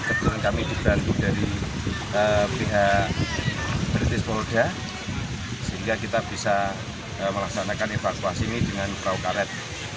keputusan kami dibantu dari pihak british polda sehingga kita bisa melaksanakan evakuasi ini dengan praukaret